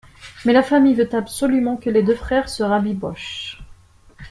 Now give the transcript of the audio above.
Mais la famille veut absolument que les deux frères se rabibochent.